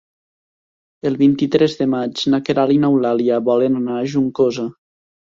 El vint-i-tres de maig na Queralt i n'Eulàlia volen anar a Juncosa.